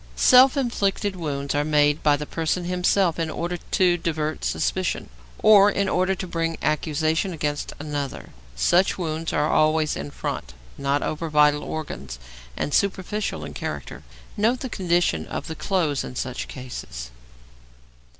Self inflicted wounds are made by the person himself in order to divert suspicion, or in order to bring accusation against another. Such wounds are always in front, not over vital organs, and superficial in character. Note the condition of the clothes in such cases.